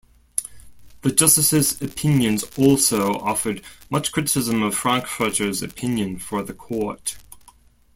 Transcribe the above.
The justices' opinions also offered much criticism of Frankfurter's opinion for the court.